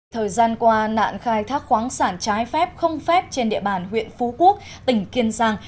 thời gian qua nạn khai thác khoáng sản trái phép không phép trên địa bàn huyện phú quốc tỉnh kiên giang